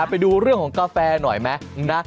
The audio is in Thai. ไปดูเรื่องของกาแฟหน่อยไหม